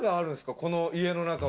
この家の中は。